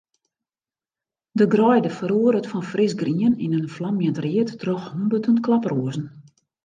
De greide feroaret fan frisgrien yn in flamjend read troch hûnderten klaproazen.